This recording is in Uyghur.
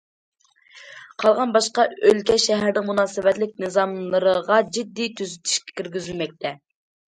قالغان باشقا ئۆلكە، شەھەرنىڭ مۇناسىۋەتلىك نىزاملىرىغا جىددىي تۈزىتىش كىرگۈزۈلمەكتە.